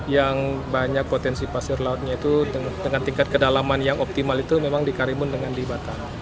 yang banyak potensi pasir lautnya itu dengan tingkat kedalaman yang optimal itu memang di karimun dengan di batam